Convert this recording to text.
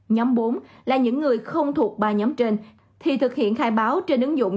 nhóm bốn là những người không thuộc ba nhóm trên thì thực hiện khai báo trên ứng dụng